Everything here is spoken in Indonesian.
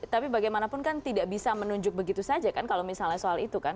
tapi bagaimanapun kan tidak bisa menunjuk begitu saja kan kalau misalnya soal itu kan